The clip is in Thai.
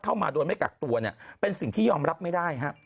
เข้ามาโดนไม่กักตัวเป็นสิ่งที่ยอมรับไม่ได้